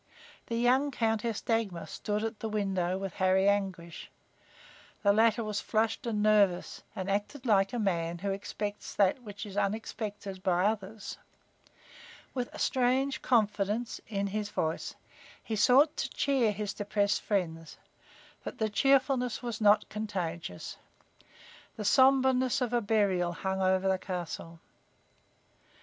The young Countess Dagmar stood at a window with Harry Anguish. The latter was flushed and nervous and acted like a man who expects that which is unexpected by others. With a strange confidence in his voice, he sought to cheer his depressed friends, but the cheerfulness was not contagious. The sombreness of a burial hung over the castle.